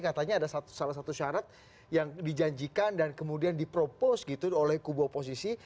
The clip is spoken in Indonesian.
katanya ada salah satu syarat yang dijanjikan dan kemudian dipropos gitu oleh kubu oposisi